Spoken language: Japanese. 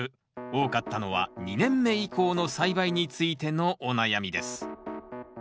多かったのは２年目以降の栽培についてのお悩みです。